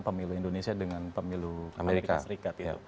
pemilu indonesia dengan pemilu amerika serikat